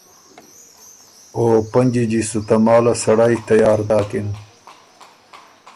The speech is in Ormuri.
او پنجی جیستُو تماله سړئ تیار داکِن